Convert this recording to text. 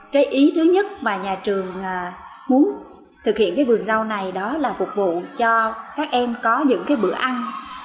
cái ý thứ nhất mà nhà trường muốn thực hiện cái vườn rau này đó là phục vụ cho các em có những cái bữa ăn